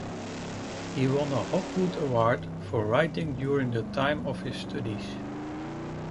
He won a Hopwood Award for writing during the time of his studies.